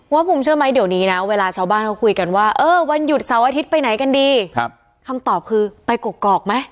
ภูมิเชื่อไหมเดี๋ยวนี้นะเวลาชาวบ้านเขาคุยกันว่าเออวันหยุดเสาร์อาทิตย์ไปไหนกันดีครับคำตอบคือไปกกอกไหม